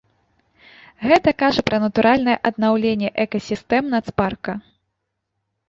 Гэта кажа пра натуральнае аднаўленне экасістэм нацпарка.